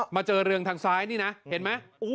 เจอเรืองทางซ้ายนี่นะเห็นไหม